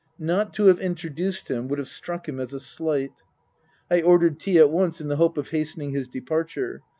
Not to have introduced him would have struck him as a slight. I ordered tea at once in the hope of hastening his departure.